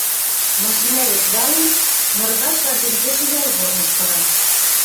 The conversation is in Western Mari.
Машинӓ гӹц вален, ныр гач ванжен кешӹ ялгорныш пыра.